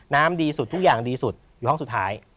ดีสุดทุกอย่างดีสุดอยู่ห้องสุดท้าย